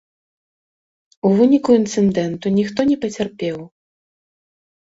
У выніку інцыдэнту ніхто не пацярпеў.